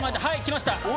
はいきました！